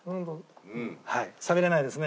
はいしゃべれないですね。